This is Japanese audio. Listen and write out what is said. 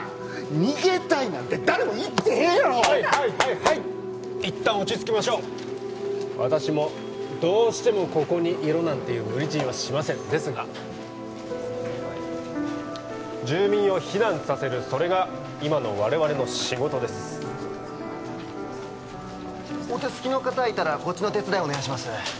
逃げたいなんて誰も言ってへんやろはいはいはいはい一旦落ち着きましょう私もどうしてもここにいろなんていう無理強いはしませんですが住民を避難させるそれが今の我々の仕事ですお手すきの方いたらこっちの手伝いお願いします